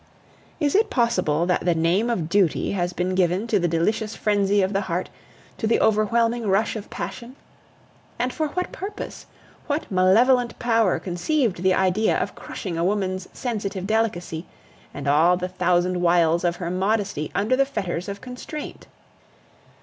Is it possible that the name of duty has been given to the delicious frenzy of the heart, to the overwhelming rush of passion? And for what purpose? What malevolent power conceived the idea of crushing a woman's sensitive delicacy and all the thousand wiles of her modesty under the fetters of constraint?